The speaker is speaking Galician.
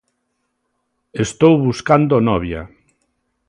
Estou buscando novia